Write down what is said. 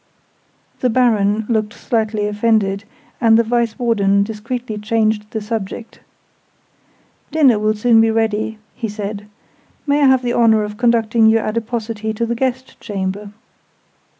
The Baron looked slightly offended, and the Vice Warden discreetly changed the subject. "Dinner will soon be ready," he said. "May I have the honour of conducting your Adiposity to the guest chamber?"